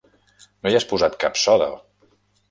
No hi has posat cap soda?